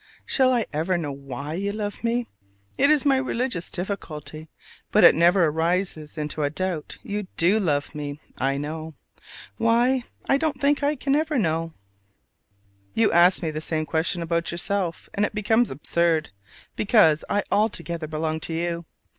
Shall I ever know why you love me? It is my religious difficulty; but it never rises into a doubt. You do love me, I know. Why, I don't think I ever can know. You ask me the same question about yourself, and it becomes absurd, because I altogether belong to you.